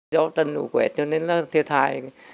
do trận lũ quẹt cho nên là thiệt hại